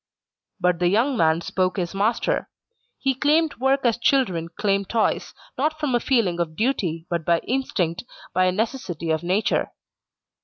But the young man spoke as master. He claimed work as children claim toys, not from a feeling of duty, but by instinct, by a necessity of nature.